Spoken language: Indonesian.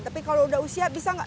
tapi kalau udah usia bisa nggak